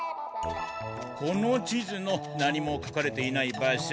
この地図の何もかかれていない場所